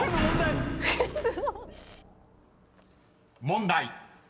［問題］